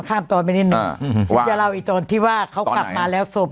ข้ามตอนไปนิดหนึ่งอ่าว่าจะเล่าอีกตรงที่ว่าเขากลับมาแล้วสวบ